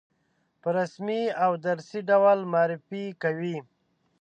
په رسمي او درسي ډول معرفي کوي.